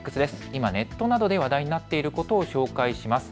今、ネットなどで話題になっていることを紹介します。